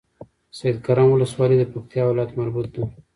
سيدکرم ولسوالۍ د پکتيا ولايت مربوطه ده